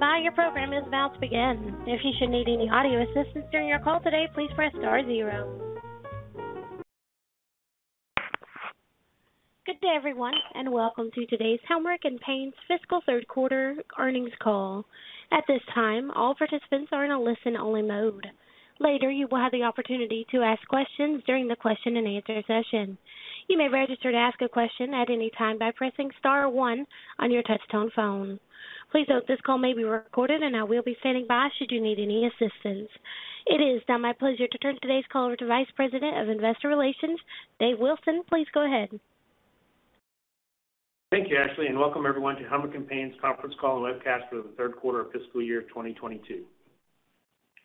Stand by. Your program is about to begin. If you should need any audio assistance during your call today, please press star zero. Good day, everyone, and welcome to today's Helmerich & Payne's fiscal third quarter earnings call. At this time, all participants are in a listen-only mode. Later, you will have the opportunity to ask questions during the question-and-answer session. You may register to ask a question at any time by pressing star one on your touchtone phone. Please note this call may be recorded, and I will be standing by should you need any assistance. It is now my pleasure to turn today's call over to Vice President of Investor Relations, Dave Wilson. Please go ahead. Thank you, Ashley, and welcome everyone to Helmerich & Payne's conference call and webcast for the third quarter of fiscal year 2022.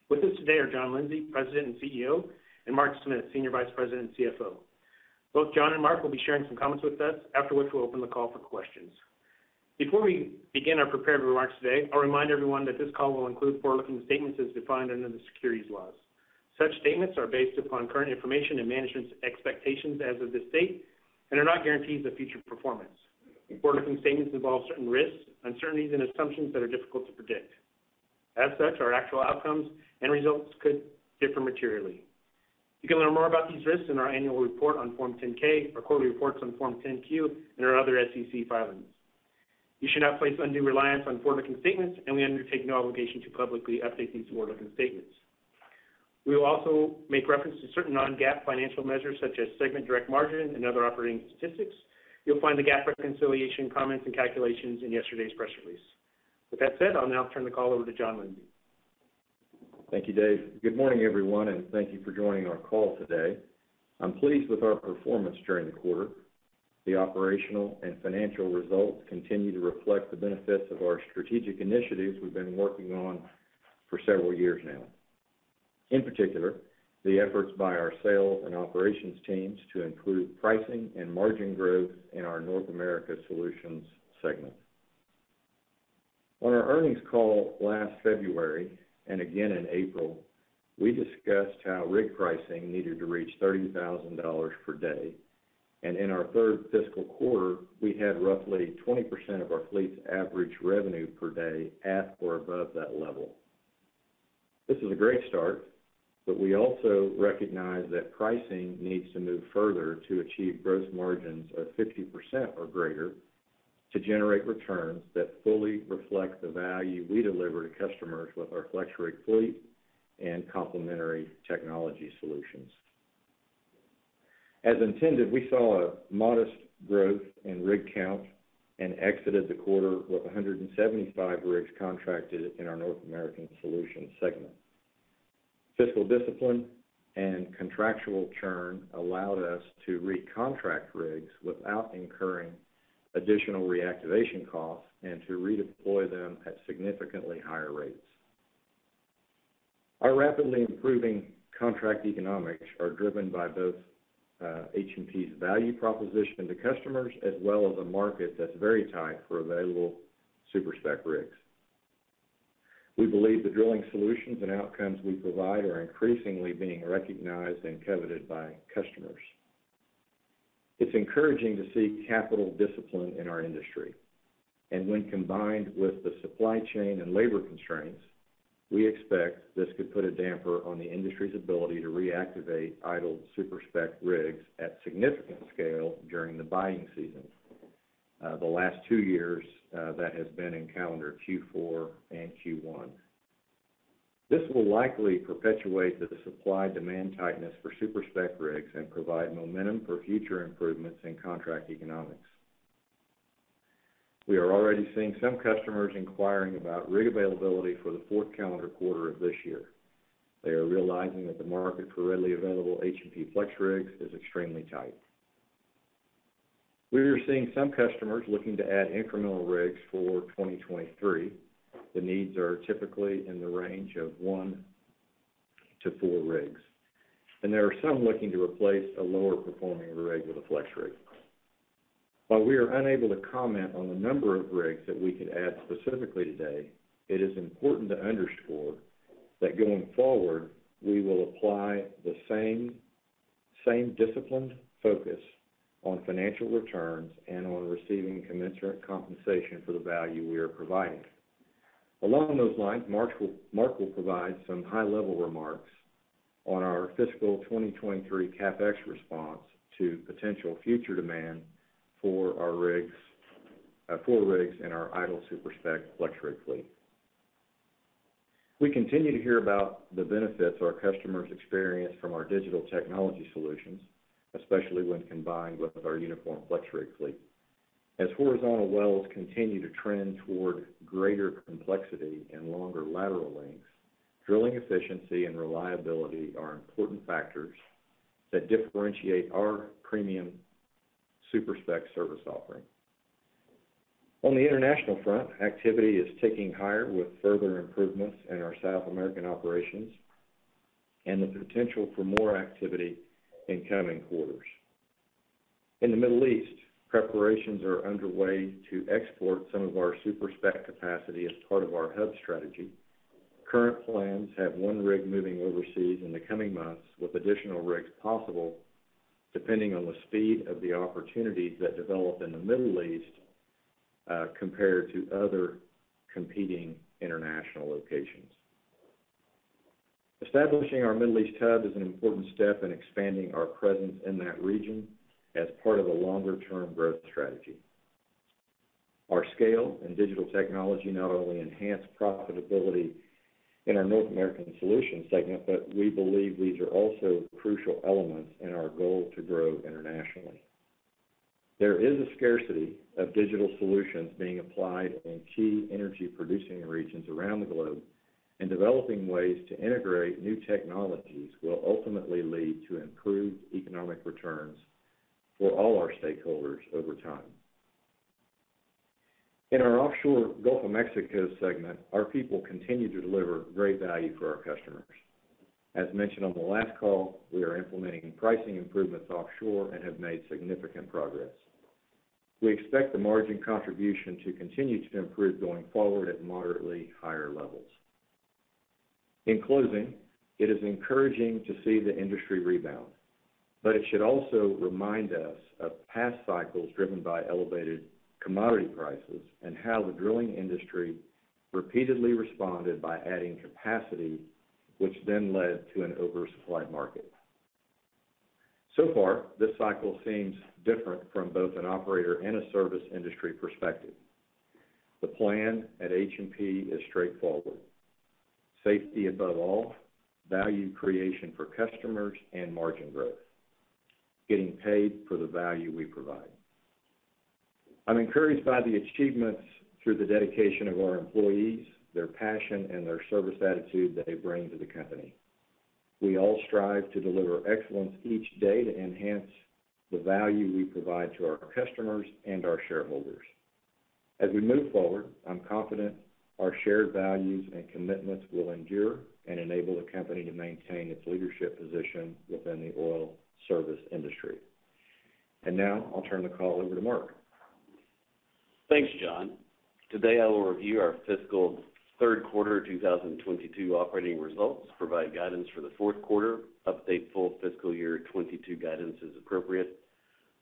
With us today are John Lindsay, President and CEO, and Mark Smith, Senior Vice President and CFO. Both John and Mark will be sharing some comments with us, after which we'll open the call for questions. Before we begin our prepared remarks today, I'll remind everyone that this call will include forward-looking statements as defined under the securities laws. Such statements are based upon current information and management's expectations as of this date and are not guarantees of future performance. Forward-looking statements involve certain risks, uncertainties, and assumptions that are difficult to predict. As such, our actual outcomes and results could differ materially. You can learn more about these risks in our annual report on Form 10-K, our quarterly reports on Form 10-Q, and our other SEC filings. You should not place undue reliance on forward-looking statements, and we undertake no obligation to publicly update these forward-looking statements. We will also make reference to certain non-GAAP financial measures, such as segment direct margin and other operating statistics. You'll find the GAAP reconciliation comments and calculations in yesterday's press release. With that said, I'll now turn the call over to John Lindsay. Thank you, Dave. Good morning, everyone, and thank you for joining our call today. I'm pleased with our performance during the quarter. The operational and financial results continue to reflect the benefits of our strategic initiatives we've been working on for several years now. In particular, the efforts by our sales and operations teams to improve pricing and margin growth in our North America Solutions segment. On our earnings call last February and again in April, we discussed how rig pricing needed to reach $30,000 per day, and in our third fiscal quarter, we had roughly 20% of our fleet's average revenue per day at or above that level. This is a great start, but we also recognize that pricing needs to move further to achieve gross margins of 50% or greater to generate returns that fully reflect the value we deliver to customers with our FlexRig fleet and complementary technology solutions. As intended, we saw a modest growth in rig count and exited the quarter with 175 rigs contracted in our North American Solutions segment. Fiscal discipline and contractual churn allowed us to recontract rigs without incurring additional reactivation costs and to redeploy them at significantly higher rates. Our rapidly improving contract economics are driven by both H&P's value proposition to customers as well as a market that's very tight for available super-spec rigs. We believe the drilling solutions and outcomes we provide are increasingly being recognized and coveted by customers. It's encouraging to see capital discipline in our industry, and when combined with the supply chain and labor constraints, we expect this could put a damper on the industry's ability to reactivate idled super-spec rigs at significant scale during the buying season. The last two years, that has been in calendar Q4 and Q1. This will likely perpetuate the supply-demand tightness for super-spec rigs and provide momentum for future improvements in contract economics. We are already seeing some customers inquiring about rig availability for the fourth calendar quarter of this year. They are realizing that the market for readily available H&P FlexRigs is extremely tight. We are seeing some customers looking to add incremental rigs for 2023. The needs are typically in the range of one to four rigs, and there are some looking to replace a lower performing rig with a FlexRig. While we are unable to comment on the number of rigs that we could add specifically today, it is important to underscore that going forward, we will apply the same disciplined focus on financial returns and on receiving commensurate compensation for the value we are providing. Along those lines, Mark will provide some high-level remarks on our fiscal 2023 CapEx response to potential future demand for rigs in our idle super-spec FlexRig fleet. We continue to hear about the benefits our customers experience from our digital technology solutions, especially when combined with our uniform FlexRig fleet. As horizontal wells continue to trend toward greater complexity and longer lateral lengths, drilling efficiency and reliability are important factors that differentiate our premium super-spec service offering. On the international front, activity is ticking higher with further improvements in our South American operations and the potential for more activity in coming quarters. In the Middle East, preparations are underway to export some of our super-spec capacity as part of our hub strategy. Current plans have one rig moving overseas in the coming months, with additional rigs possible depending on the speed of the opportunities that develop in the Middle East, compared to other competing international locations. Establishing our Middle East hub is an important step in expanding our presence in that region as part of a longer-term growth strategy. Our scale and digital technology not only enhance profitability in our North America Solutions segment, but we believe these are also crucial elements in our goal to grow internationally. There is a scarcity of digital solutions being applied in key energy-producing regions around the globe, and developing ways to integrate new technologies will ultimately lead to improved economic returns for all our stakeholders over time. In our offshore Gulf of Mexico segment, our people continue to deliver great value for our customers. As mentioned on the last call, we are implementing pricing improvements offshore and have made significant progress. We expect the margin contribution to continue to improve going forward at moderately higher levels. In closing, it is encouraging to see the industry rebound, but it should also remind us of past cycles driven by elevated commodity prices and how the drilling industry repeatedly responded by adding capacity, which then led to an oversupply market. This cycle seems different from both an operator and a service industry perspective. The plan at H&P is straightforward. Safety above all, value creation for customers and margin growth. Getting paid for the value we provide. I'm encouraged by the achievements through the dedication of our employees, their passion, and their service attitude that they bring to the company. We all strive to deliver excellence each day to enhance the value we provide to our customers and our shareholders. As we move forward, I'm confident our shared values and commitments will endure and enable the company to maintain its leadership position within the oil service industry. Now I'll turn the call over to Mark. Thanks, John. Today, I will review our fiscal third quarter 2022 operating results, provide guidance for the fourth quarter, update full fiscal year 2022 guidance as appropriate,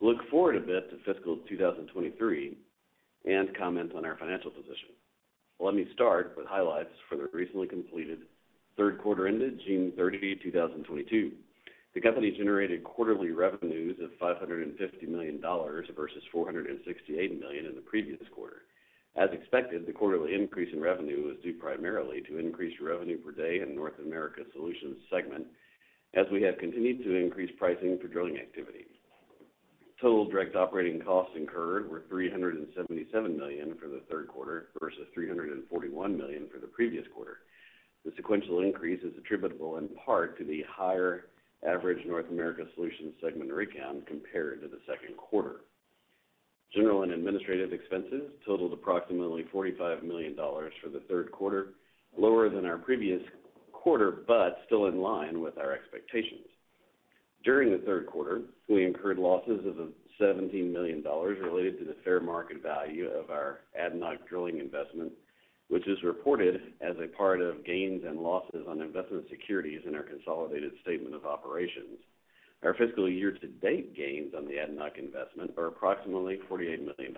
look forward a bit to fiscal 2023, and comment on our financial position. Let me start with highlights for the recently completed third quarter ended June 30th 2022. The company generated quarterly revenues of $550 million versus $468 million in the previous quarter. As expected, the quarterly increase in revenue was due primarily to increased revenue per day in North America Solutions segment as we have continued to increase pricing for drilling activity. Total direct operating costs incurred were $377 million for the third quarter versus $341 million for the previous quarter. The sequential increase is attributable in part to the higher average North America Solutions segment rig count compared to the second quarter. General and administrative expenses totaled approximately $45 million for the third quarter, lower than our previous quarter, but still in line with our expectations. During the third quarter, we incurred losses of $17 million related to the fair market value of our ADNOC Drilling investment, which is reported as a part of gains and losses on investment securities in our consolidated statement of operations. Our fiscal year-to-date gains on the ADNOC investment are approximately $48 million.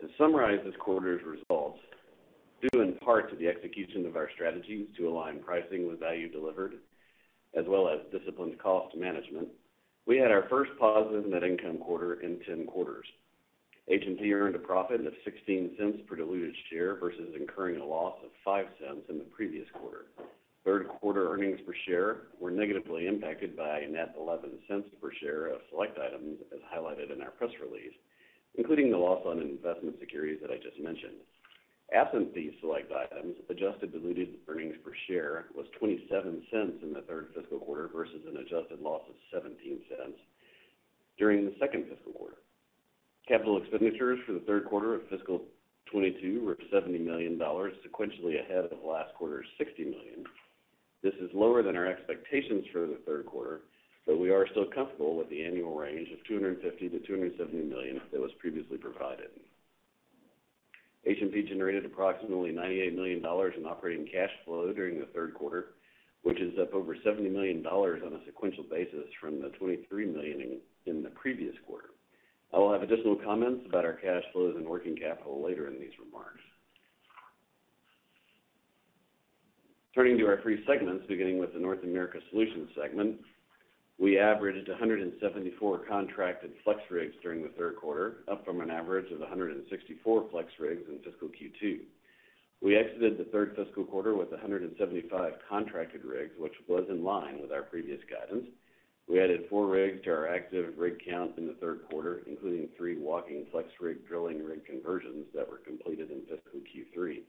To summarize this quarter's results, due in part to the execution of our strategies to align pricing with value delivered as well as disciplined cost management, we had our first positive net income quarter in 10 quarters. H&P earned a profit of $0.16 per diluted share versus incurring a loss of $0.05 in the previous quarter. Third quarter earnings per share were negatively impacted by a net $0.11 per share of select items as highlighted in our press release, including the loss on investment securities that I just mentioned. Absent these select items, adjusted diluted earnings per share was $0.27 in the third fiscal quarter versus an adjusted loss of $0.17 during the second fiscal quarter. Capital expenditures for the third quarter of fiscal 2022 were $70 million, sequentially ahead of last quarter's $60 million. This is lower than our expectations for the third quarter, but we are still comfortable with the annual range of $250-270 million that was previously provided. H&P generated approximately $98 million in operating cash flow during the third quarter, which is up over $70 million on a sequential basis from the $23 million in the previous quarter. I will have additional comments about our cash flows and working capital later in these remarks. Turning to our three segments, beginning with the North America Solutions segment. We averaged 174 contracted flex rigs during the third quarter, up from an average of 164 flex rigs in fiscal Q2. We exited the third fiscal quarter with 175 contracted rigs, which was in line with our previous guidance. We added four rigs to our active rig count in the third quarter, including three walking flex rig drilling rig conversions that were completed in fiscal Q3.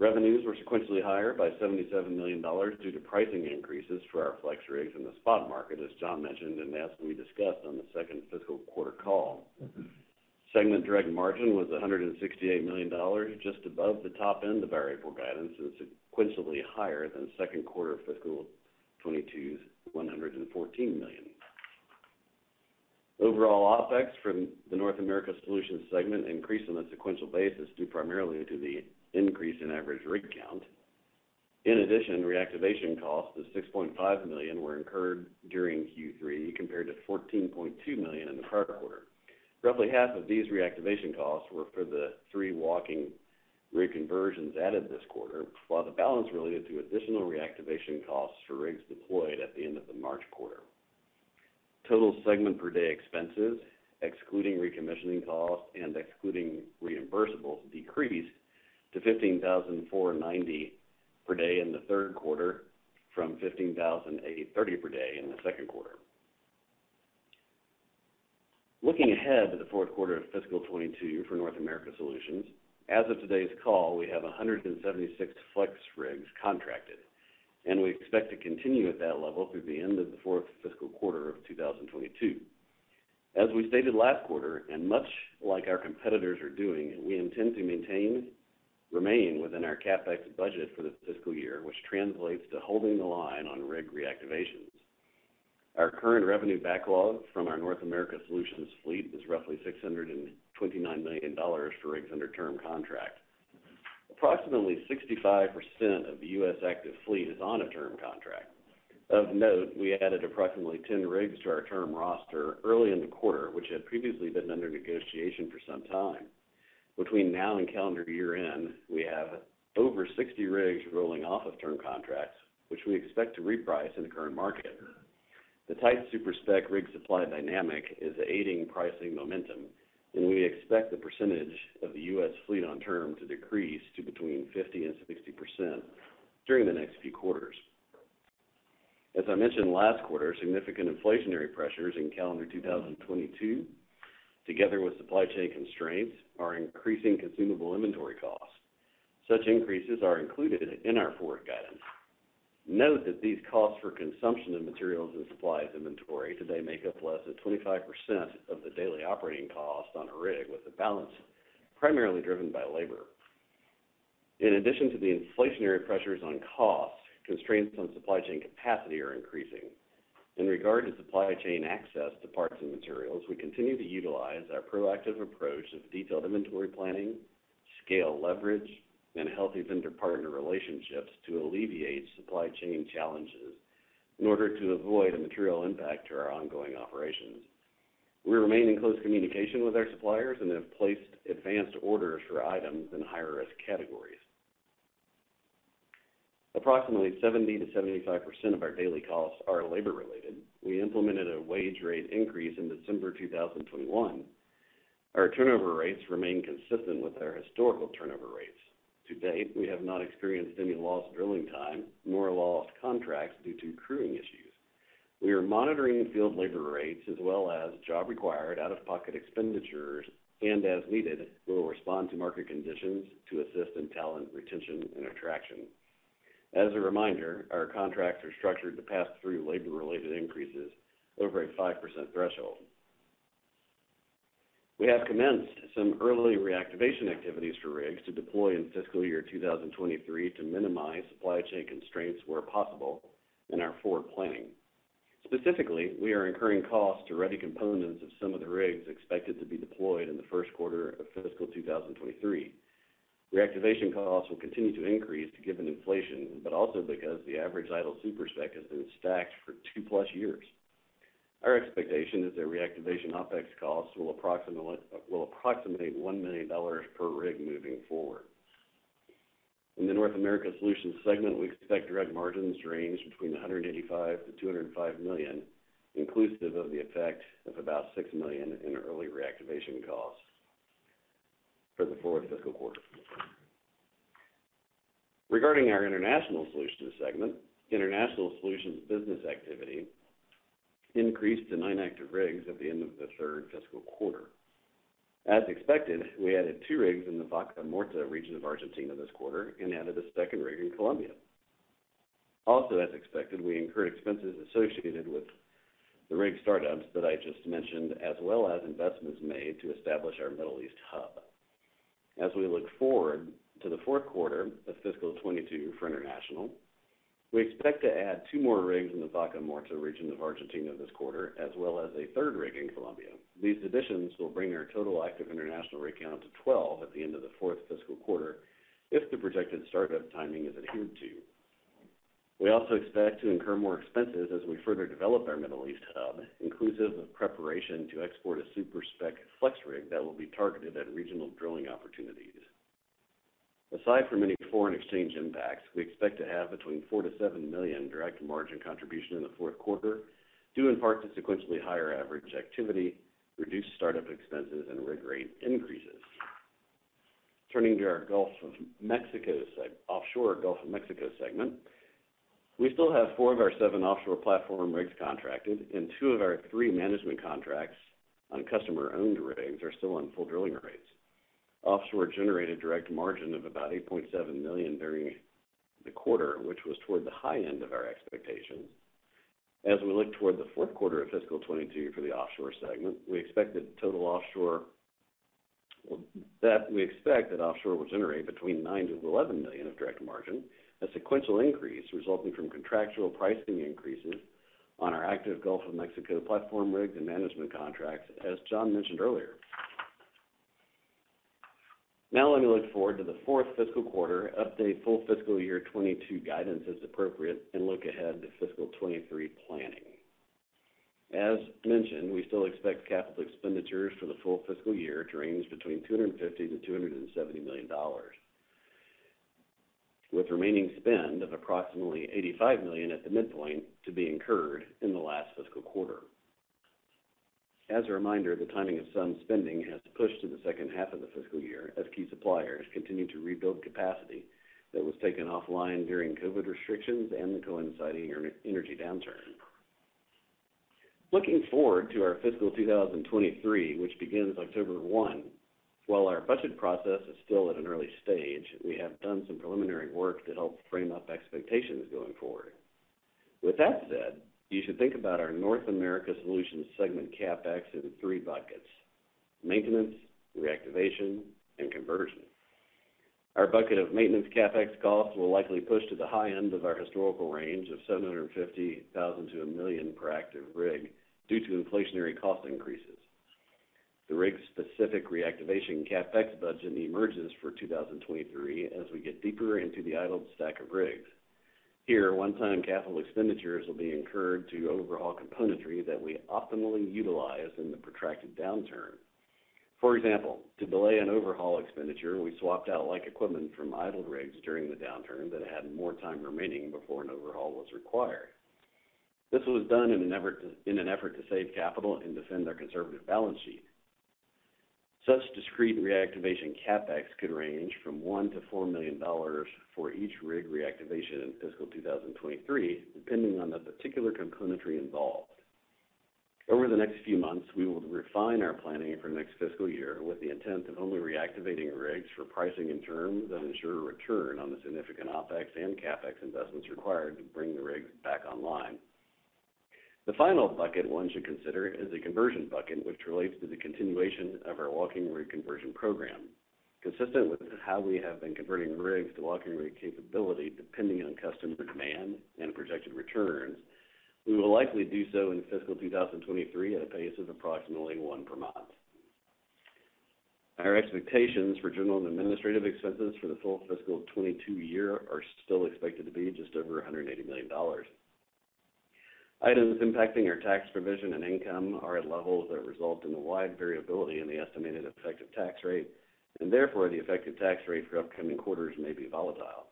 Revenues were sequentially higher by $77 million due to pricing increases for our flex rigs in the spot market, as John mentioned, and as we discussed on the second fiscal quarter call. Segment direct margin was $168 million, just above the top end of variable guidance, and it's sequentially higher than second quarter fiscal 2022's $114 million. Overall OpEx from the North America Solutions segment increased on a sequential basis due primarily to the increase in average rig count. In addition, reactivation costs of $6.5 million were incurred during Q3 compared to $14.2 million in the prior quarter. Roughly half of these reactivation costs were for the three walking rig conversions added this quarter, while the balance related to additional reactivation costs for rigs deployed at the end of the March quarter. Total segment per day expenses, excluding recommissioning costs and excluding reimbursables, decreased to $15,490 per day in the third quarter from $15,830 per day in the second quarter. Looking ahead to the fourth quarter of fiscal 2022 for North America Solutions, as of today's call, we have 176 FlexRigs contracted, and we expect to continue at that level through the end of the fourth fiscal quarter of 2022. As we stated last quarter, and much like our competitors are doing, we intend to remain within our CapEx budget for this fiscal year, which translates to holding the line on rig reactivations. Our current revenue backlog from our North America Solutions fleet is roughly $629 million for rigs under term contract. Approximately 65% of the U.S. active fleet is on a term contract. Of note, we added approximately 10 rigs to our term roster early in the quarter, which had previously been under negotiation for some time. Between now and calendar year-end, we have over 60 rigs rolling off of term contracts, which we expect to reprice in the current market. The tight super-spec rig supply dynamic is aiding pricing momentum, and we expect the percentage of the U.S. fleet on term to decrease to between 50% and 60% during the next few quarters. As I mentioned last quarter, significant inflationary pressures in calendar 2022, together with supply chain constraints, are increasing consumable inventory costs. Such increases are included in our forward guidance. Note that these costs for consumption of materials and supplies inventory today make up less than 25% of the daily operating cost on a rig with a balance primarily driven by labor. In addition to the inflationary pressures on costs, constraints on supply chain capacity are increasing. In regard to supply chain access to parts and materials, we continue to utilize our proactive approach of detailed inventory planning, scale leverage, and healthy vendor partner relationships to alleviate supply chain challenges in order to avoid a material impact to our ongoing operations. We remain in close communication with our suppliers and have placed advanced orders for items in higher risk categories. Approximately 70%-75% of our daily costs are labor-related. We implemented a wage rate increase in December 2021. Our turnover rates remain consistent with our historical turnover rates. To date, we have not experienced any lost drilling time nor lost contracts due to crewing issues. We are monitoring field labor rates as well as job required out-of-pocket expenditures, and as needed, we will respond to market conditions to assist in talent retention and attraction. As a reminder, our contracts are structured to pass through labor-related increases over a 5% threshold. We have commenced some early reactivation activities for rigs to deploy in fiscal year 2023 to minimize supply chain constraints where possible in our forward planning. Specifically, we are incurring costs to ready components of some of the rigs expected to be deployed in the first quarter of fiscal 2023. Reactivation costs will continue to increase given inflation, but also because the average idle super-spec has been stacked for 2+ years. Our expectation is that reactivation OpEx costs will approximate $1 million per rig moving forward. In the North America Solutions segment, we expect direct margins to range between $185-205 million, inclusive of the effect of about $6 million in early reactivation costs for the fourth fiscal quarter. Regarding our International Solutions segment, International Solutions business activity increased to nine active rigs at the end of the third fiscal quarter. As expected, we added two rigs in the Vaca Muerta region of Argentina this quarter and added a second rig in Colombia. Also as expected, we incurred expenses associated with the rig startups that I just mentioned, as well as investments made to establish our Middle East hub. As we look forward to the fourth quarter of fiscal 2022 for international, we expect to add two more rigs in the Vaca Muerta region of Argentina this quarter, as well as a third rig in Colombia. These additions will bring our total active international rig count to 12 at the end of the fourth fiscal quarter if the projected startup timing is adhered to. We also expect to incur more expenses as we further develop our Middle East hub, inclusive of preparation to export a super-spec FlexRig that will be targeted at regional drilling opportunities. Aside from any foreign exchange impacts, we expect to have between $4-7 million direct margin contribution in the fourth quarter, due in part to sequentially higher average activity, reduced startup expenses, and rig rate increases. Turning to our offshore Gulf of Mexico segment. We still have four of our seven offshore platform rigs contracted, and two of our three management contracts on customer-owned rigs are still on full drilling rates. Offshore generated direct margin of about $8.7 million during the quarter, which was toward the high end of our expectations. As we look toward the fourth quarter of fiscal 2022 for the offshore segment, we expect that offshore will generate between $9-11 million of direct margin, a sequential increase resulting from contractual pricing increases on our active Gulf of Mexico platform rigs and management contracts, as John mentioned earlier. Now let me look forward to the fourth fiscal quarter, update full fiscal 2022 year guidance as appropriate, and look ahead to fiscal 2022 planning. As mentioned, we still expect capital expenditures for the full fiscal year to range between $250-270 million, with remaining spend of approximately $85 million at the midpoint to be incurred in the last fiscal quarter. As a reminder, the timing of some spending has pushed to the second half of the fiscal year as key suppliers continue to rebuild capacity that was taken offline during COVID restrictions and the coinciding energy downturn. Looking forward to our fiscal 2023, which begins October 1. While our budget process is still at an early stage, we have done some preliminary work to help frame up expectations going forward. With that said, you should think about our North America Solutions segment CapEx in three buckets, maintenance, reactivation, and conversion. Our bucket of maintenance CapEx costs will likely push to the high end of our historical range of $750,000 to a million per active rig due to inflationary cost increases. The rig's specific reactivation CapEx budget emerges for 2023 as we get deeper into the idled stack of rigs. Here, one-time capital expenditures will be incurred to overhaul componentry that we optimally utilize in the protracted downturn. For example, to delay an overhaul expenditure, we swapped out like equipment from idled rigs during the downturn that had more time remaining before an overhaul was required. This was done in an effort to save capital and defend our conservative balance sheet. Such discrete reactivation CapEx could range from $1 million-4 million for each rig reactivation in fiscal 2023, depending on the particular componentry involved. Over the next few months, we will refine our planning for next fiscal year with the intent of only reactivating rigs for pricing and terms that ensure a return on the significant OpEx and CapEx investments required to bring the rigs back online. The final bucket one should consider is the conversion bucket, which relates to the continuation of our walking rig conversion program. Consistent with how we have been converting rigs to walking rig capability depending on customer demand and projected returns, we will likely do so in fiscal 2023 at a pace of approximately one per month. Our expectations for general and administrative expenses for the full fiscal 2022 year are still expected to be just over $180 million. Items impacting our tax provision and income are at levels that result in a wide variability in the estimated effective tax rate, and therefore the effective tax rate for upcoming quarters may be volatile.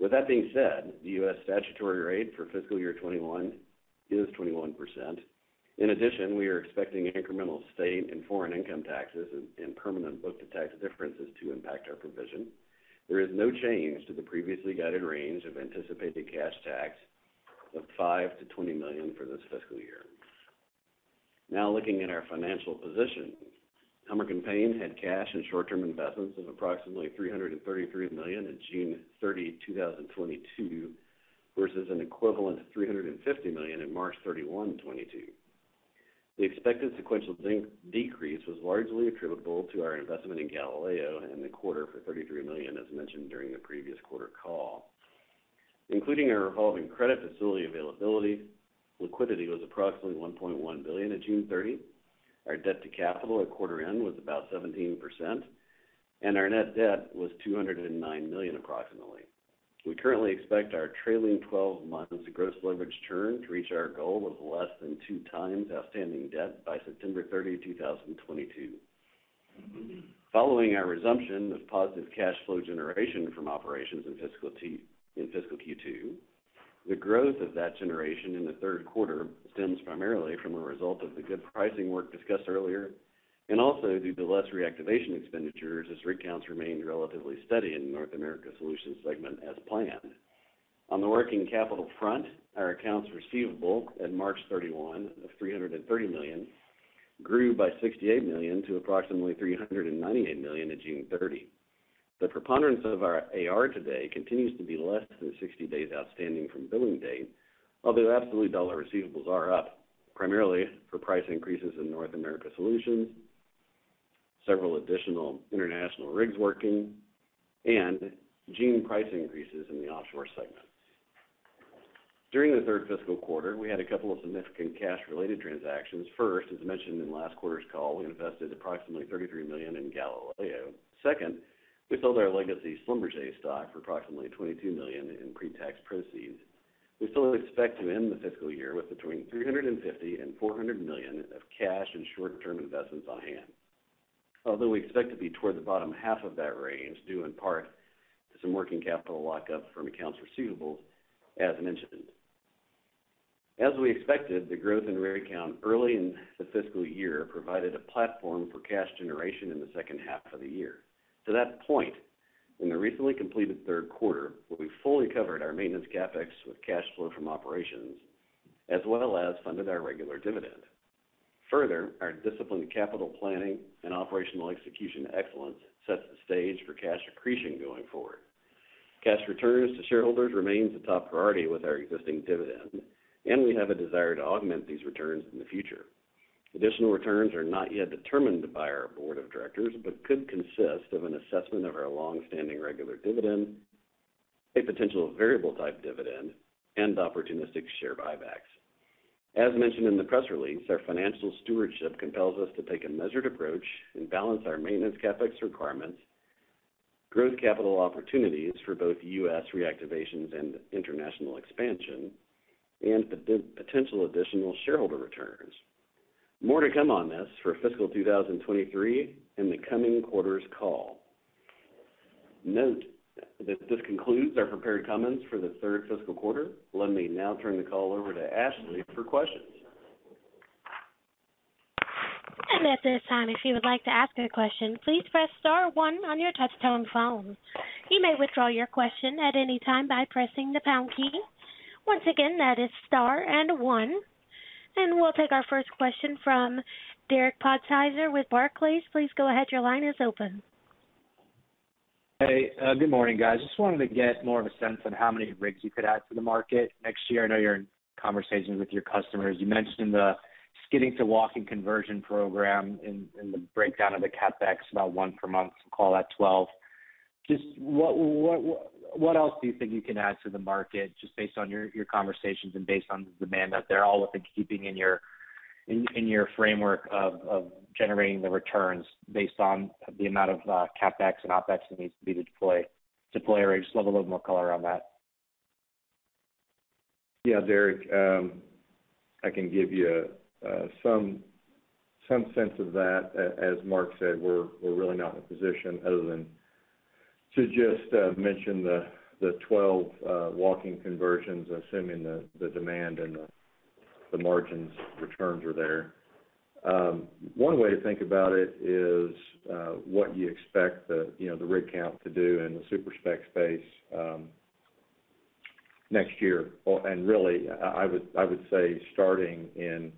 With that being said, the U.S. statutory rate for fiscal year 2021 is 21%. In addition, we are expecting incremental state and foreign income taxes and permanent book to tax differences to impact our provision. There is no change to the previously guided range of anticipated cash tax of $5-20 million for this fiscal year. Now looking at our financial position. Helmerich & Payne had cash and short-term investments of approximately $333 million in June 30th, 2022 versus an equivalent $350 million in March 31, 2022. The expected sequential decrease was largely attributable to our investment in Galileo in the quarter for $33 million, as mentioned during the previous quarter call. Including our revolving credit facility availability, liquidity was approximately $1.1 billion at June 30th. Our debt to capital at quarter end was about 17%, and our net debt was $209 million approximately. We currently expect our trailing twelve months gross leverage ratio to reach our goal of less than 2x outstanding debt by September 30, 2022. Following our resumption of positive cash flow generation from operations in fiscal Q2, the growth of that generation in the third quarter stems primarily as a result of the good pricing work discussed earlier and also due to less reactivation expenditures as rig counts remained relatively steady in North America Solutions segment as planned. On the working capital front, our accounts receivable at March 31 of $330 million grew by $68 million to approximately $398 million at June 30. The preponderance of our AR today continues to be less than 60 days outstanding from billing date, although absolute dollar receivables are up primarily for price increases in North America Solutions, several additional international rigs working, and general price increases in the offshore segments. During the third fiscal quarter, we had a couple of significant cash-related transactions. First, as mentioned in last quarter's call, we invested approximately $33 million in Galileo. Second, we sold our legacy Schlumberger stock for approximately $22 million in pre-tax proceeds. We still expect to end the fiscal year with between $350 million and $400 million of cash and short-term investments on hand. Although we expect to be toward the bottom half of that range, due in part to some working capital lockup from accounts receivables, as mentioned. As we expected, the growth in rig count early in the fiscal year provided a platform for cash generation in the second half of the year. To that point, in the recently completed third quarter, where we fully covered our maintenance CapEx with cash flow from operations, as well as funded our regular dividend. Further, our disciplined capital planning and operational execution excellence sets the stage for cash accretion going forward. Cash returns to shareholders remains a top priority with our existing dividend, and we have a desire to augment these returns in the future. Additional returns are not yet determined by our board of directors, but could consist of an assessment of our long-standing regular dividend, a potential variable type dividend, and opportunistic share buybacks. As mentioned in the press release, our financial stewardship compels us to take a measured approach and balance our maintenance CapEx requirements, growth capital opportunities for both U.S. reactivations and international expansion, and potential additional shareholder returns. More to come on this for fiscal 2023 in the coming quarters call. Note that this concludes our prepared comments for the third fiscal quarter. Let me now turn the call over to Ashley for questions. At this time, if you would like to ask a question, please press star one on your touchtone phone. You may withdraw your question at any time by pressing the pound key. Once again, that is star and one. We'll take our first question from Derek Podhaizer with Barclays. Please go ahead. Your line is open. Hey, good morning, guys. Just wanted to get more of a sense on how many rigs you could add to the market next year. I know you're in conversations with your customers. You mentioned the skidding to walking conversion program in the breakdown of the CapEx, about one per month, call that 12. Just what else do you think you can add to the market just based on your conversations and based on the demand that they're all up and keeping in your framework of generating the returns based on the amount of CapEx and OpEx that needs to be deployed or just love a little more color on that. Yeah, Derek, I can give you some sense of that. As Mark said, we're really not in a position other than to just mention the 12 walking conversions, assuming the demand and the margins returns are there. One way to think about it is what you expect, you know, the rig count to do in the super-spec space next year. Or and really I would say starting in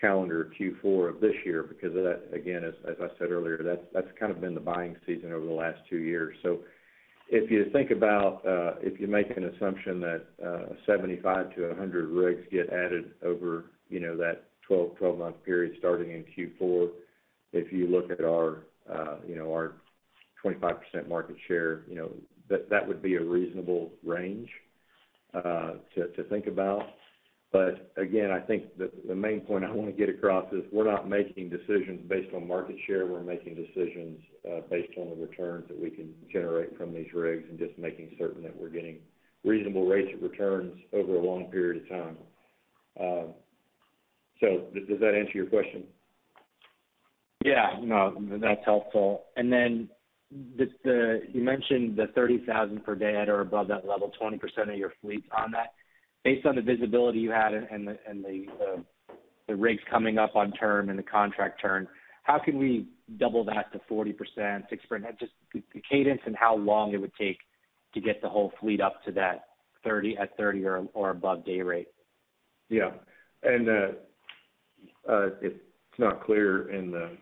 calendar Q4 of this year, because that, again, as I said earlier, that's kind of been the buying season over the last two years. If you think about if you make an assumption that 75-100 rigs get added over you know that 12-month period starting in Q4, if you look at our you know our 25% market share, you know that would be a reasonable range to think about. Again, I think the main point I want to get across is we're not making decisions based on market share. We're making decisions based on the returns that we can generate from these rigs and just making certain that we're getting reasonable rates of returns over a long period of time. Does that answer your question? Yeah, no, that's helpful. Just, you mentioned the $30,000 per day at or above that level, 20% of your fleet's on that. Based on the visibility you had and the rigs coming up on term and the contract term, how can we double that to 40%, 60%? Just the cadence and how long it would take to get the whole fleet up to that $30,000 at $30,000 or above day rate? It's not clear in the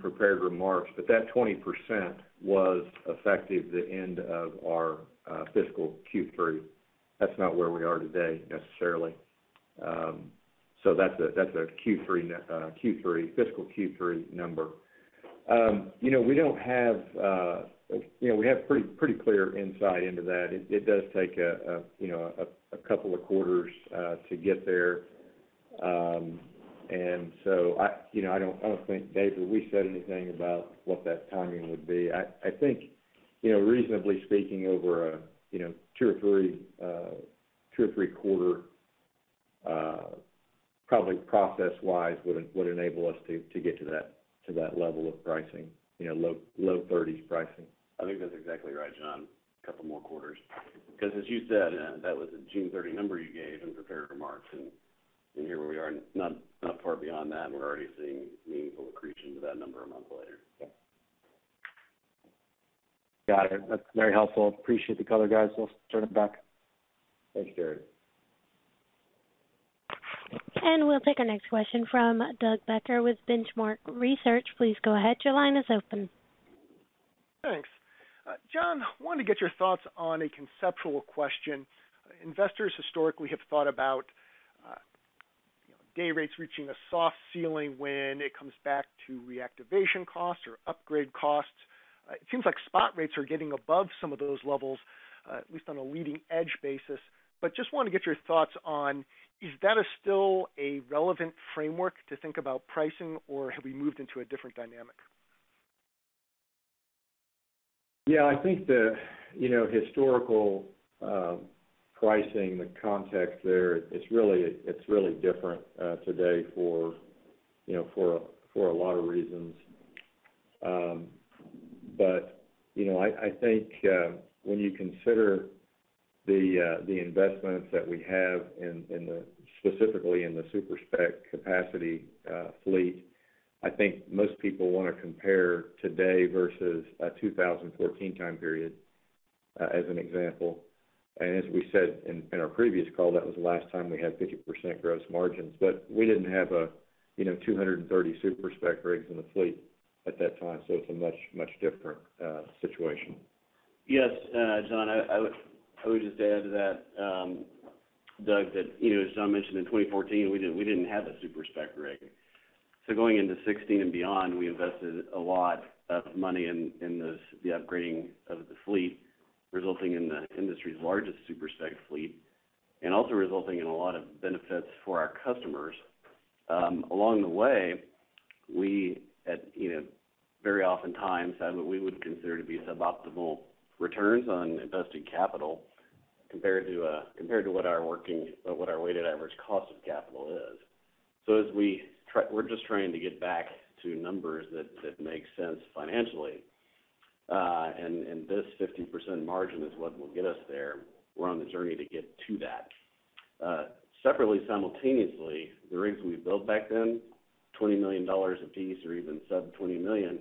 prepared remarks, but that 20% was effective the end of our fiscal Q3. That's not where we are today necessarily. That's a fiscal Q3 number. You know, we have pretty clear insight into that. It does take a couple of quarters to get there. You know, I don't think, Dave, that we said anything about what that timing would be. I think, you know, reasonably speaking over a two or three quarter process would enable us to get to that level of pricing, you know, low 30s pricing. I think that's exactly right, John. A couple more quarters. Because as you said, that was a June 30 number you gave in prepared remarks, and here we are not far beyond that, and we're already seeing meaningful accretion to that number a month later. Yeah. Got it. That's very helpful. Appreciate the color, guys. We'll turn it back. Thanks, Derek. We'll take our next question from Doug Becker with Benchmark Research. Please go ahead. Your line is open. Thanks. John, wanted to get your thoughts on a conceptual question. Investors historically have thought about day rates reaching a soft ceiling when it comes back to reactivation costs or upgrade costs. It seems like spot rates are getting above some of those levels, at least on a leading edge basis. Just want to get your thoughts on, is that still a relevant framework to think about pricing, or have we moved into a different dynamic? Yeah, I think the, you know, historical pricing, the context there, it's really different today for, you know, for a lot of reasons. I think when you consider the investments that we have specifically in the super-spec capacity fleet, I think most people want to compare today versus a 2014 time period as an example. As we said in our previous call, that was the last time we had 50% gross margins. We didn't have, you know, 230 super-spec rigs in the fleet at that time. It's a much different situation. Yes, John, I would just add to that, Doug, that, you know, as John mentioned, in 2014 we didn't have a super-spec rig. Going into 2016 and beyond, we invested a lot of money in the upgrading of the fleet, resulting in the industry's largest super-spec fleet, and also resulting in a lot of benefits for our customers. Along the way, we, you know, very oftentimes had what we would consider to be suboptimal returns on invested capital compared to what our weighted average cost of capital is. We're just trying to get back to numbers that make sense financially. This 50% margin is what will get us there. We're on the journey to get to that. Separately, simultaneously, the rigs we built back then, $20 million apiece or even sub $20 million in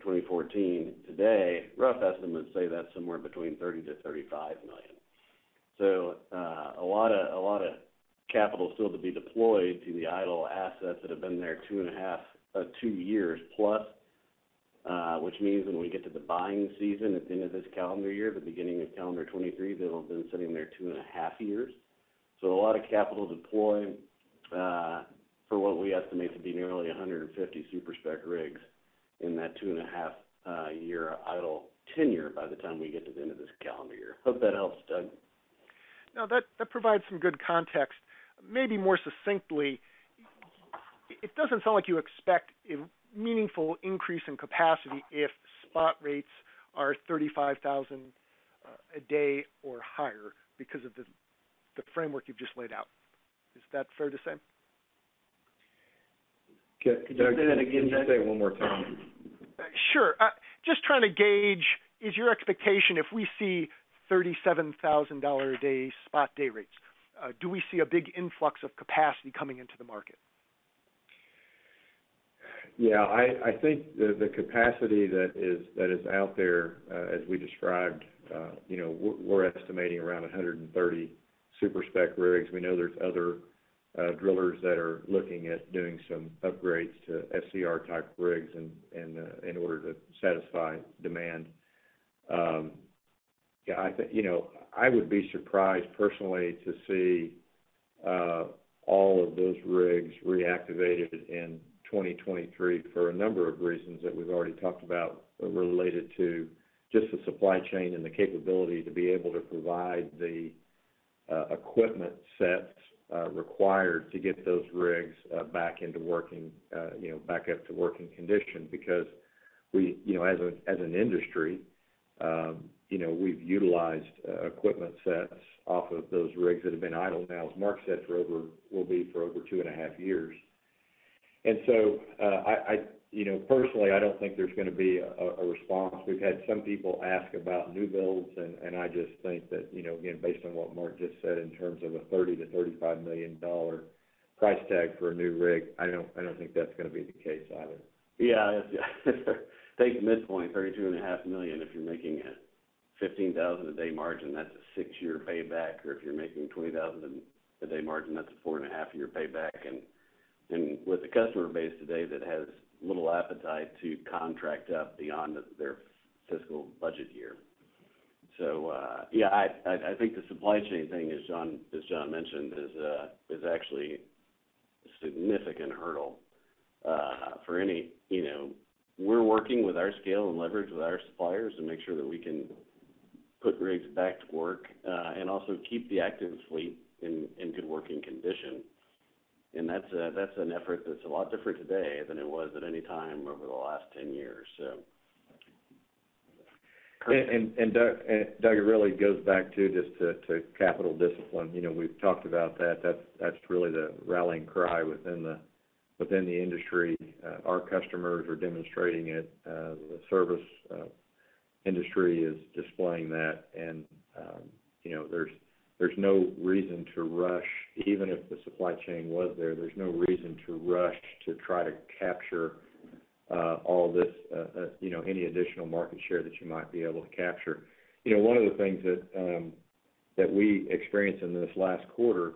2014. Today, rough estimates say that's somewhere between $30-35 million. A lot of capital still to be deployed to the idle assets that have been there 2.5 years plus, which means when we get to the buying season at the end of this calendar year, the beginning of calendar 2023, they'll have been sitting there 2.5 years. A lot of capital deployed for what we estimate to be nearly 150 super-spec rigs in that 2.5 year idle tenure by the time we get to the end of this calendar year. Hope that helps, Doug. No, that provides some good context. Maybe more succinctly, it doesn't sound like you expect a meaningful increase in capacity if spot rates are $35,000 a day or higher because of the framework you've just laid out. Is that fair to say? Could you say that again, Doug? Could you say it one more time? Sure. Just trying to gauge, is your expectation if we see $37,000 a day spot day rates, do we see a big influx of capacity coming into the market? I think the capacity that is out there, as we described, you know, we're estimating around 130 super-spec rigs. We know there's other drillers that are looking at doing some upgrades to SCR-type rigs in order to satisfy demand. I think you know, I would be surprised personally to see all of those rigs reactivated in 2023 for a number of reasons that we've already talked about related to just the supply chain and the capability to be able to provide the equipment sets required to get those rigs back into working, you know, back up to working condition. Because we, you know, as an industry, we've utilized equipment sets off of those rigs that have been idle now, as Mark said, will be for over 2.5 years. You know, personally, I don't think there's gonna be a response. We've had some people ask about new builds, and I just think that, you know, again, based on what Mark just said in terms of a $30-35 million price tag for a new rig, I don't think that's gonna be the case either. Yeah. Take the midpoint, $32.5 million. If you're making $15,000 a day margin, that's a six year payback. If you're making $20,000 a day margin, that's a 4.5-year payback. With the customer base today that has little appetite to contract up beyond their fiscal budget year. Yeah, I think the supply chain thing, as John mentioned, is actually a significant hurdle for any. You know, we're working with our scale and leverage with our suppliers to make sure that we can put rigs back to work, and also keep the active fleet in good working condition. That's an effort that's a lot different today than it was at any time over the last 10 years, so. Perfect. There, it really goes back to just to capital discipline. You know, we've talked about that. That's really the rallying cry within the industry. Our customers are demonstrating it. The service industry is displaying that. You know, there's no reason to rush. Even if the supply chain was there's no reason to rush to try to capture all this, you know, any additional market share that you might be able to capture. You know, one of the things that we experienced in this last quarter,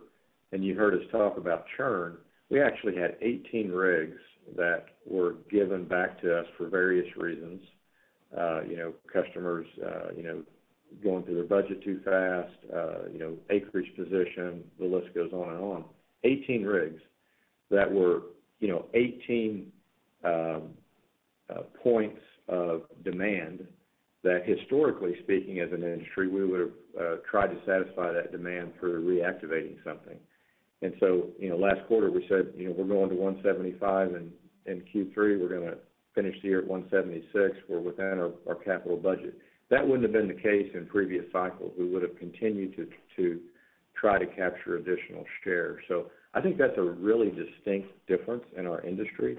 and you heard us talk about churn, we actually had 18 rigs that were given back to us for various reasons. You know, customers, you know, going through their budget too fast, you know, acreage position, the list goes on and on. 18 rigs that were, you know, 18 points of demand that historically speaking, as an industry, we would have tried to satisfy that demand through reactivating something. You know, last quarter, we said, you know, we're going to 175, and in Q3 we're gonna finish the year at 176. We're within our capital budget. That wouldn't have been the case in previous cycles. We would have continued to try to capture additional share. I think that's a really distinct difference in our industry,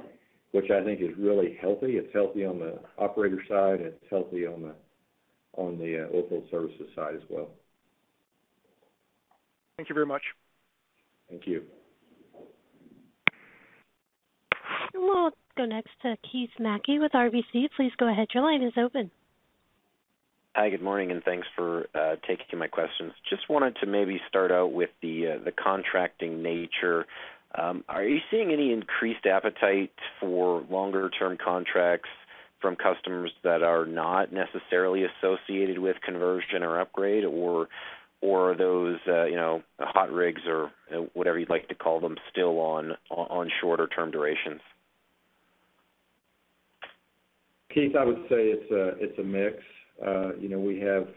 which I think is really healthy. It's healthy on the operator side, and it's healthy on the oilfield services side as well. Thank you very much. Thank you. Go next to Keith Mackey with RBC. Please go ahead. Your line is open. Hi, good morning, and thanks for taking my questions. Just wanted to maybe start out with the contracting nature. Are you seeing any increased appetite for longer-term contracts from customers that are not necessarily associated with conversion or upgrade? Or are those, you know, hot rigs or whatever you'd like to call them, still on shorter term durations? Keith, I would say it's a mix. You know, we have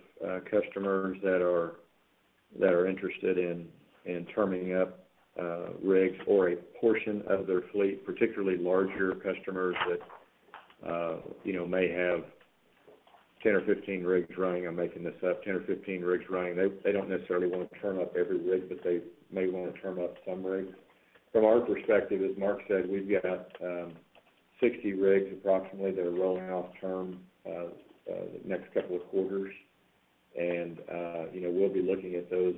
customers that are interested in terming up rigs or a portion of their fleet, particularly larger customers that you know may have 10 or 15 rigs running. I'm making this up. 10 or 15 rigs running. They don't necessarily wanna term up every rig, but they may wanna term up some rigs. From our perspective, as Mark said, we've got 60 rigs approximately that are rolling off term the next couple of quarters. You know, we'll be looking at those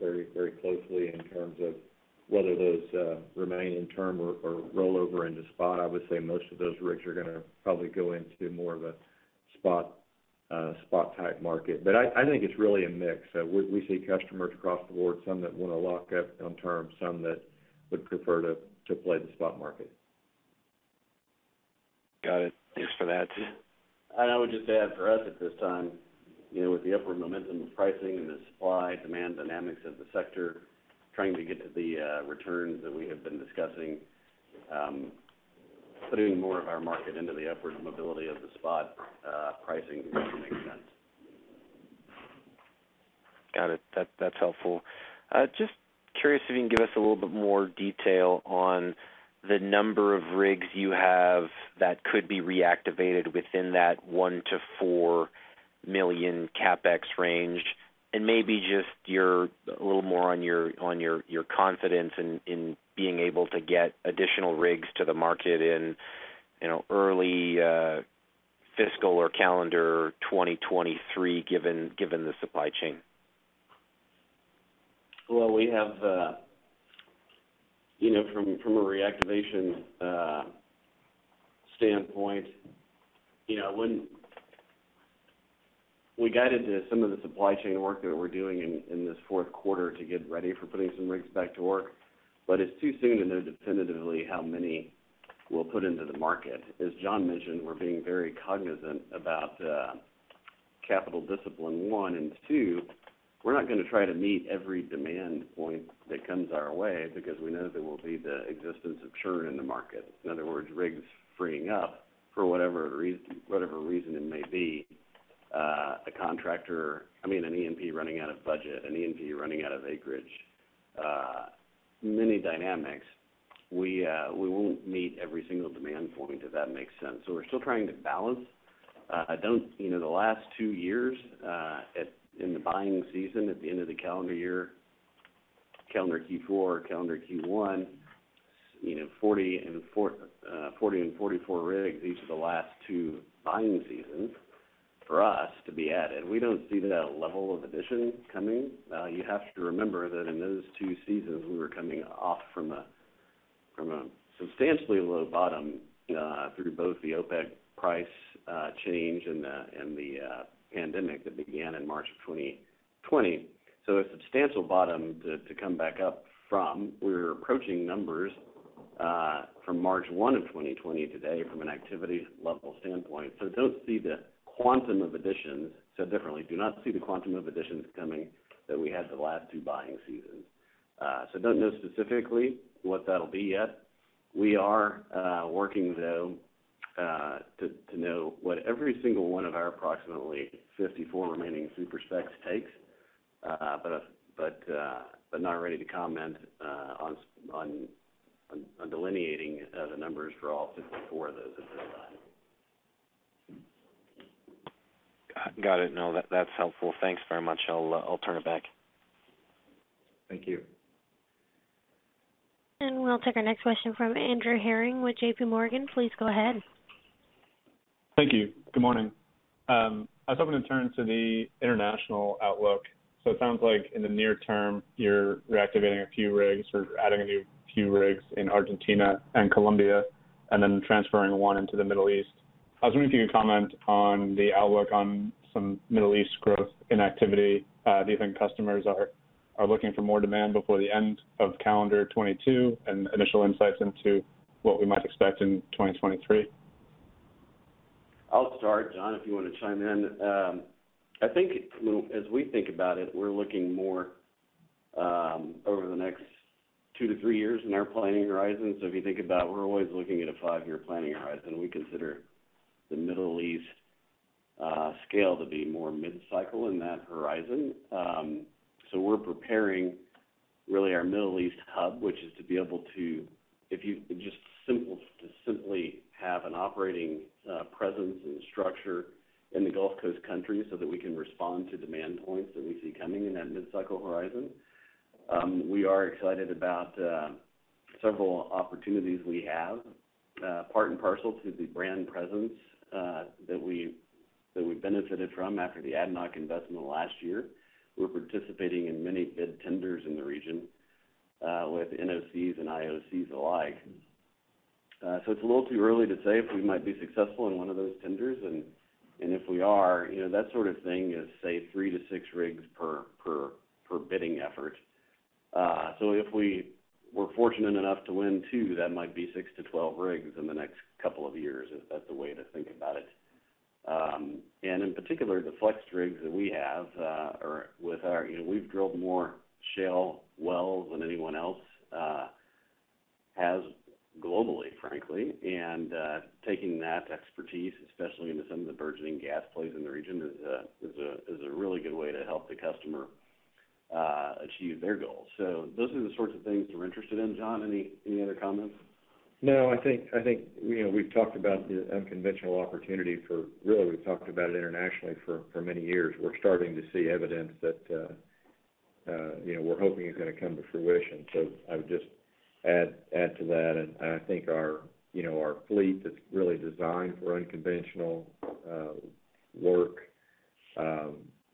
very closely in terms of whether those remain in term or roll over into spot. I would say most of those rigs are gonna probably go into more of a spot type market. I think it's really a mix. We see customers across the board, some that wanna lock up on term, some that would prefer to play the spot market. Got it. Thanks for that. I would just add for us at this time, you know, with the upward momentum of pricing and the supply-demand dynamics of the sector trying to get to the returns that we have been discussing, putting more of our market into the upward mobility of the spot pricing makes sense. Got it. That's helpful. Just curious if you can give us a little bit more detail on the number of rigs you have that could be reactivated within that $1-4 million CapEx range, and maybe just a little more on your confidence in being able to get additional rigs to the market in, you know, early fiscal or calendar 2023, given the supply chain. Well, we have, you know, from a reactivation standpoint, you know, when we guided to some of the supply chain work that we're doing in this fourth quarter to get ready for putting some rigs back to work, but it's too soon to know definitively how many we'll put into the market. As John mentioned, we're being very cognizant about capital discipline, one, and two, we're not gonna try to meet every demand point that comes our way because we know there will be the existence of churn in the market. In other words, rigs freeing up for whatever reason it may be, I mean, an E&P running out of budget, an E&P running out of acreage, many dynamics. We won't meet every single demand point, if that makes sense. We're still trying to balance. I don't know, you know, the last two years in the buying season, at the end of the calendar year, calendar Q4, calendar Q1, you know, 40 and 44 rigs. These are the last two buying seasons for us to be added. We don't see that level of addition coming. You have to remember that in those two seasons, we were coming off from a substantially low bottom through both the OPEC price change and the pandemic that began in March 2020. A substantial bottom to come back up from. We're approaching numbers from March 1, 2020 today from an activity level standpoint. Don't see the quantum of additions. Said differently, do not see the quantum of additions coming that we had the last two buying seasons. Don't know specifically what that'll be yet. We are working through to know what every single one of our approximately 54 remaining super-specs takes, but not ready to comment on delineating the numbers for all 54 of those at this time. Got it. No, that's helpful. Thanks very much. I'll turn it back. Thank you. We'll take our next question from Arun Jayaram with JPMorgan. Please go ahead. Thank you. Good morning. I was hoping to turn to the international outlook. It sounds like in the near term, you're reactivating a few rigs or adding a few new rigs in Argentina and Colombia, and then transferring one into the Middle East. I was wondering if you could comment on the outlook on some Middle East growth in activity. Do you think customers are looking for more demand before the end of calendar 2022 and initial insights into what we might expect in 2023? I'll start. John, if you wanna chime in. I think, you know, as we think about it, we're looking more over the next two to three years in our planning horizon. If you think about we're always looking at a five year planning horizon, we consider the Middle East scale to be more mid-cycle in that horizon. We're preparing really our Middle East hub, which is to be able to simply have an operating presence and structure in the Gulf countries so that we can respond to demand points that we see coming in that mid-cycle horizon. We are excited about several opportunities we have, part and parcel to the brand presence that we benefited from after the ADNOC investment last year. We're participating in many bid tenders in the region, with NOCs and IOCs alike. It's a little too early to say if we might be successful in one of those tenders, and if we are, you know, that sort of thing is, say, three to six rigs per bidding effort. If we were fortunate enough to win two, that might be six to 12 rigs in the next couple of years, if that's the way to think about it. In particular, the FlexRigs that we have. You know, we've drilled more shale wells than anyone else has globally, frankly. Taking that expertise, especially into some of the burgeoning gas plays in the region, is a really good way to help the customer achieve their goals. Those are the sorts of things we're interested in. John, any other comments? No, I think, you know, we've talked about the unconventional opportunity for really, we've talked about it internationally for many years. We're starting to see evidence that, you know, we're hoping is gonna come to fruition. I would just add to that. I think our, you know, our fleet that's really designed for unconventional work,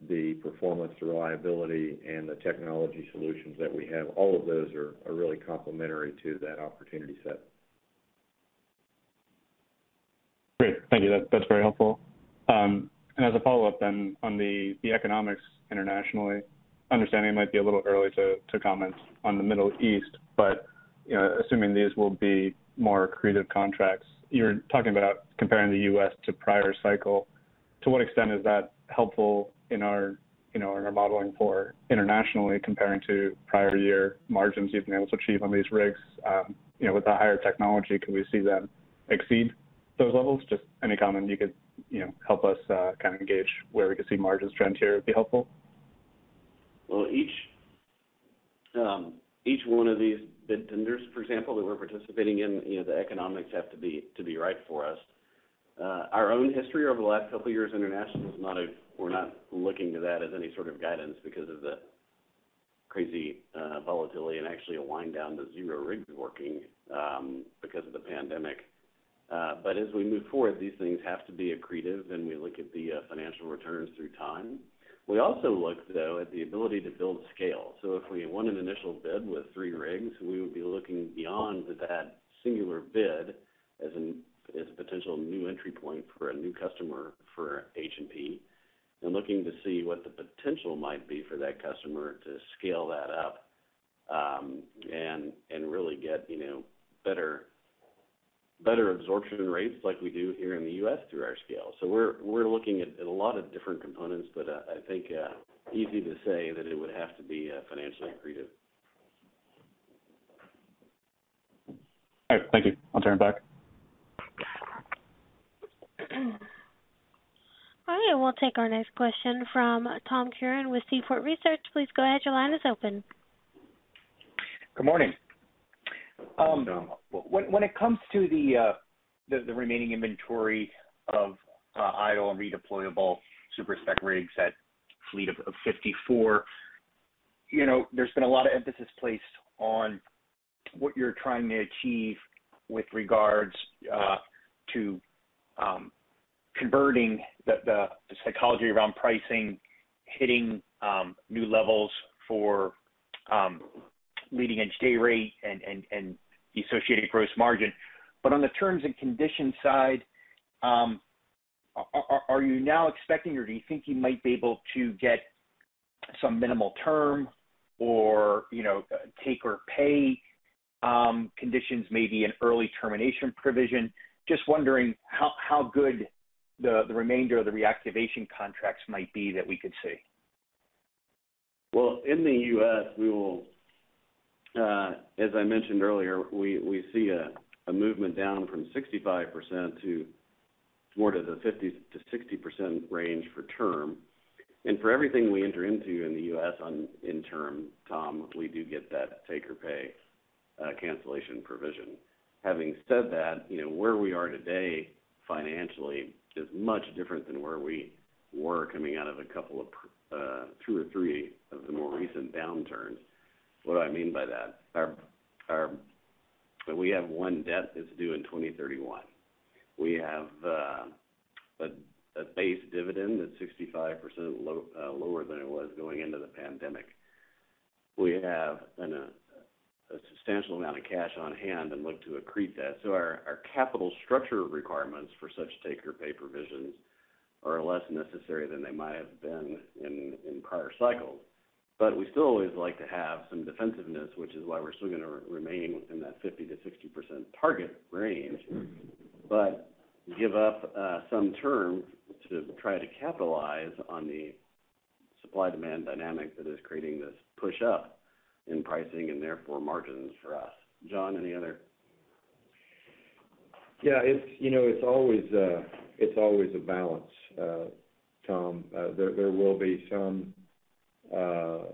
the performance, the reliability, and the technology solutions that we have, all of those are really complementary to that opportunity set. Great. Thank you. That's very helpful. As a follow-up then on the economics internationally, understanding it might be a little early to comment on the Middle East, but you know, assuming these will be more accretive contracts, you're talking about comparing the U.S. to prior cycle. To what extent is that helpful in our, you know, in our modeling for internationally comparing to prior year margins you've been able to achieve on these rigs, you know, with the higher technology, can we see them exceed those levels? Just any comment you could, you know, help us kind of gauge where we could see margins trend here would be helpful. Well, each one of these bid tenders, for example, that we're participating in, you know, the economics have to be right for us. Our own history over the last couple of years internationally is not. We're not looking to that as any sort of guidance because of the crazy volatility and actually a wind down to zero rigs working because of the pandemic. As we move forward, these things have to be accretive, and we look at the financial returns through time. We also look, though, at the ability to build scale. If we won an initial bid with three rigs, we would be looking beyond that singular bid as a potential new entry point for a new customer for H&P and looking to see what the potential might be for that customer to scale that up, and really get, you know, better absorption rates like we do here in the U.S. through our scale. We're looking at a lot of different components, but I think it's easy to say that it would have to be financially accretive. All right. Thank you. I'll turn it back. All right. We'll take our next question from Tom Curran with Seaport Research. Please go ahead. Your line is open. Good morning. Good morning, Tom. When it comes to the remaining inventory of idle and redeployable super-spec rigs at fleet of 54, you know, there's been a lot of emphasis placed on what you're trying to achieve with regards to converting the psychology around pricing, hitting new levels for leading edge day rate and the associated gross margin. On the terms and conditions side, are you now expecting or do you think you might be able to get some minimal term or, you know, take or pay conditions, maybe an early termination provision? Just wondering how good the remainder of the reactivation contracts might be that we could see. Well, in the US, we will, as I mentioned earlier, we see a movement down from 65% to more to the 50%-60% range for term. For everything we enter into in the U.S. in term, Tom, we do get that take or pay cancellation provision. Having said that, you know, where we are today financially is much different than where we were coming out of a couple of two or three of the more recent downturns. What do I mean by that? We have no debt that's due in 2031. We have a base dividend that's 65% lower than it was going into the pandemic. We have, you know, a substantial amount of cash on hand and look to accrete that. Our capital structure requirements for such take or pay provisions are less necessary than they might have been in prior cycles. We still always like to have some defensiveness, which is why we're still gonna remain within that 50%-60% target range, but give up some term to try to capitalize on the supply-demand dynamic that is creating this push up in pricing and therefore margins for us. John, any other? Yeah. It's, you know, it's always a balance, Tom. There will be some of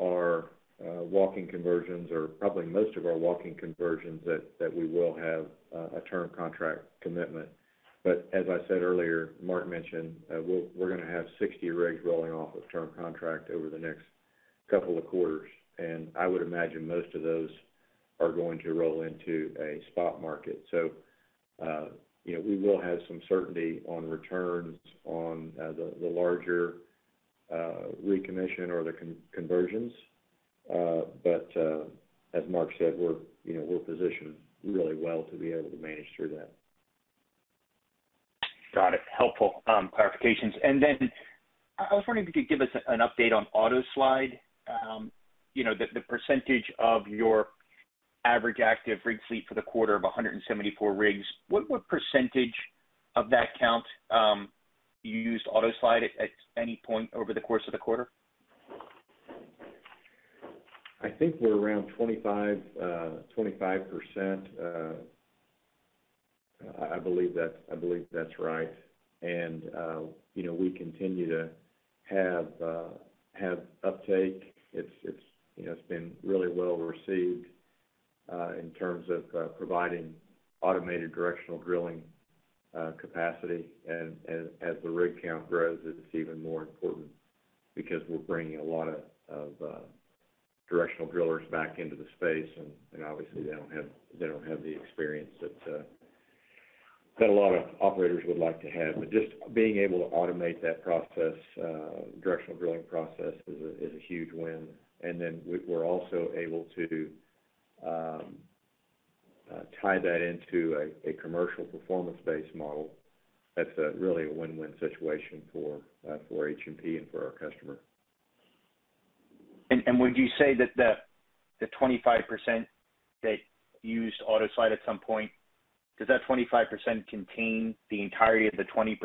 our walking conversions or probably most of our walking conversions that we will have a term contract commitment. As I said earlier, Mark mentioned, we're gonna have 60 rigs rolling off of term contract over the next couple of quarters, and I would imagine most of those are going to roll into a spot market. You know, we will have some certainty on returns on the larger recommission or the conversions. As Mark said, you know, we're positioned really well to be able to manage through that. Got it. Helpful clarifications. I was wondering if you could give us an update on AutoSlide. You know, the percentage of your average active rig fleet for the quarter of 174 rigs, what percentage of that count do you use AutoSlide at any point over the course of the quarter? I think we're around 25%. I believe that's right. You know, we continue to have uptake. It's, you know, it's been really well received in terms of providing automated directional drilling capacity. As the rig count grows, it's even more important because we're bringing a lot of directional drillers back into the space, and obviously they don't have the experience that a lot of operators would like to have. Just being able to automate that process, directional drilling process is a huge win. We're also able to tie that into a commercial performance-based model that's really a win-win situation for H&P and for our customer. Would you say that the 25% that use AutoSlide at some point, does that 25% contain the entirety of the 20%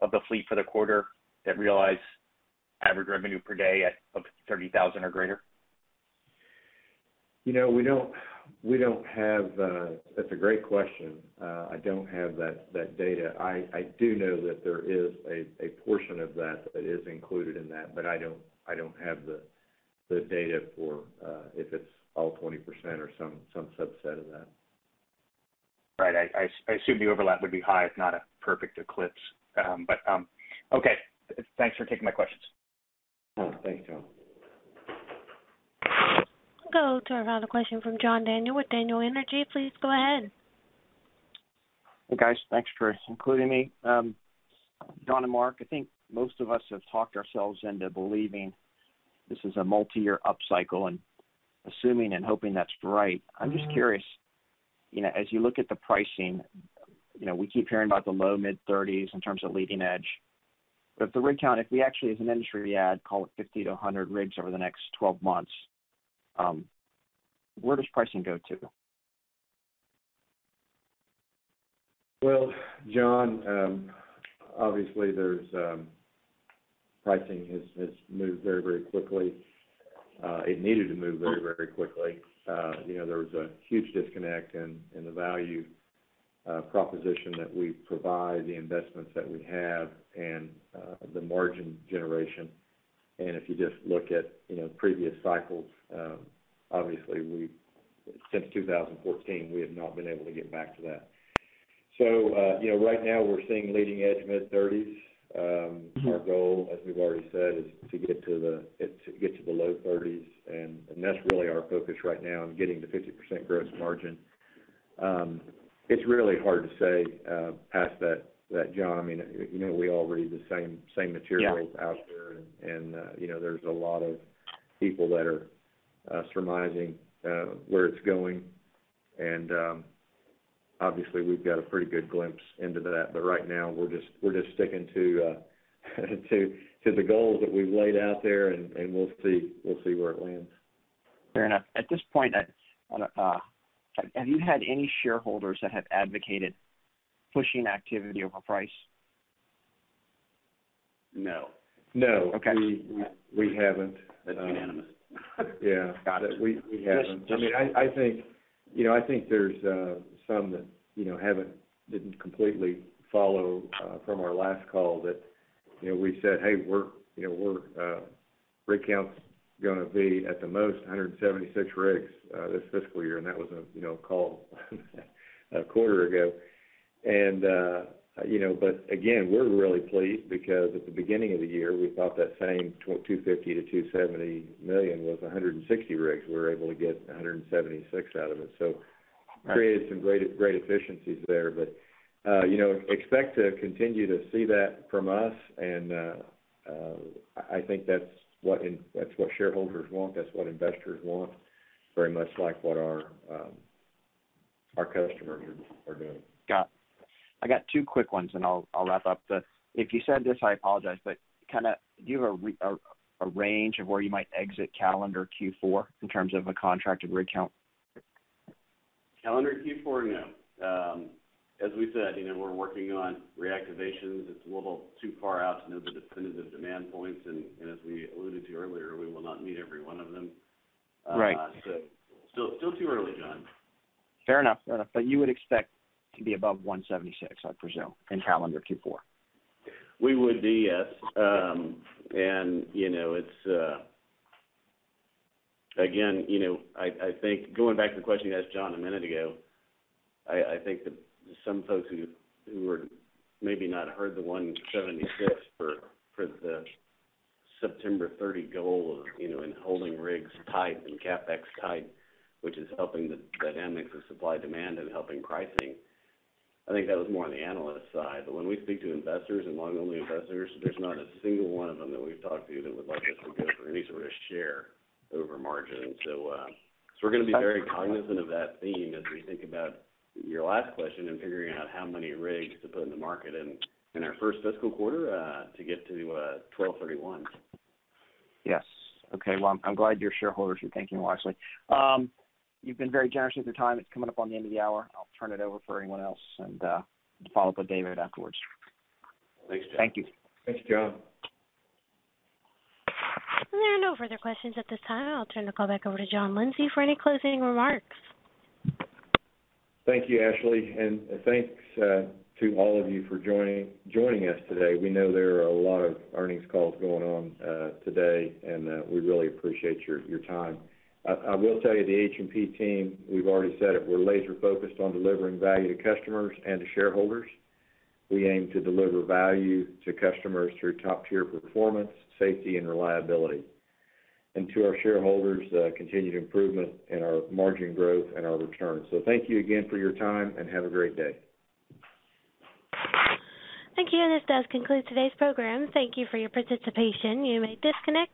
of the fleet for the quarter that realize average revenue per day of $30,000 or greater? You know, we don't have. That's a great question. I don't have that data. I do know that there is a portion of that that is included in that, but I don't have the data for if it's all 20% or some subset of that. Right. I assume the overlap would be high if not a perfect eclipse. Okay, thanks for taking my questions. Oh, thank you. We'll go to our other question from John Daniel with Daniel Energy Partners. Please go ahead. Hey, guys. Thanks for including me. John and Mark, I think most of us have talked ourselves into believing this is a multi-year upcycle and assuming and hoping that's right. Mm-hmm. I'm just curious, you know, as you look at the pricing, you know, we keep hearing about the low to mid-30s in terms of leading edge. If the rig count, if we actually as an industry add, call it 50-100 rigs over the next 12 months, where does pricing go to? Well, John, obviously, pricing has moved very, very quickly. It needed to move very, very quickly. You know, there was a huge disconnect in the value proposition that we provide, the investments that we have, and the margin generation. If you just look at, you know, previous cycles, obviously, since 2014, we have not been able to get back to that. You know, right now we're seeing leading edge mid-30s. Mm-hmm. Our goal, as we've already said, is to get to the low 30s%. That's really our focus right now in getting to 50% gross margin. It's really hard to say past that, John. I mean, you know, we all read the same materials. Yeah. Out there. You know, there's a lot of people that are surmising where it's going. Obviously we've got a pretty good glimpse into that. But right now we're just sticking to the goals that we've laid out there, and we'll see where it lands. Fair enough. At this point, have you had any shareholders that have advocated pushing activity over price? No. No. Okay. We haven't. That's unanimous. Yeah. Got it. We haven't. Just. I mean, I think, you know, I think there's some that didn't completely follow from our last call that we said, "Hey, we're rig count's gonna be at the most 176 rigs this fiscal year." That was a call a quarter ago. You know, but again, we're really pleased because at the beginning of the year, we thought that same $250-270 million with 160 rigs, we were able to get 176 out of it. Right. Created some great efficiencies there. You know, expect to continue to see that from us and I think that's what shareholders want, that's what investors want, very much like what our customers are doing. Got it. I got two quick ones, and I'll wrap up. If you said this, I apologize, but kinda do you have a range of where you might exit calendar Q4 in terms of a contracted rig count? Calendar Q4? No. As we said, you know, we're working on reactivations. It's a little too far out to know the definitive demand points. As we alluded to earlier, we will not meet every one of them. Right. Still too early, John. Fair enough. You would expect to be above $176, I presume, in calendar Q4? We would be, yes. Again, you know, I think going back to the question you asked John a minute ago, I think that some folks who maybe had not heard the 176 floor for the September 30 goal of, you know, and holding rigs tight and CapEx tight, which is helping the dynamics of supply-demand and helping pricing, I think that was more on the analyst side. When we speak to investors and one-on-one investors, there's not a single one of them that we've talked to that would like us to go for any sort of share over margin. We're gonna be very cognizant of that theme as we think about your last question and figuring out how many rigs to put in the market in our first fiscal quarter to get to 12/31. Yes. Okay. Well, I'm glad your shareholders are thinking wisely. You've been very generous with your time. It's coming up on the end of the hour. I'll turn it over for anyone else and follow up with Dave afterwards. Thanks, John. Thank you. Thanks, John. There are no further questions at this time. I'll turn the call back over to John Lindsay for any closing remarks. Thank you, Ashley. Thanks to all of you for joining us today. We know there are a lot of earnings calls going on today, and we really appreciate your time. I will tell you, the H&P team, we've already said it, we're laser focused on delivering value to customers and to shareholders. We aim to deliver value to customers through top-tier performance, safety, and reliability. To our shareholders, continued improvement in our margin growth and our returns. Thank you again for your time, and have a great day. Thank you. This does conclude today's program. Thank you for your participation. You may disconnect.